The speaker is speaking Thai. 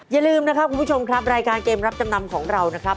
อย่าลืมนะครับคุณผู้ชมครับรายการเกมรับจำนำของเรานะครับ